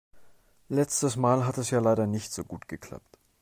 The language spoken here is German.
Letztes Mal hat es ja leider nicht so gut geklappt.